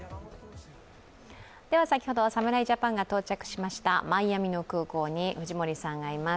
先ほど侍ジャパンが到着しましたマイアミの空港に藤森さんがいます。